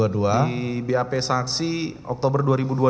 di bap saksi oktober dua ribu dua puluh